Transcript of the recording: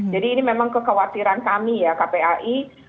jadi ini memang kekhawatiran kami ya kpai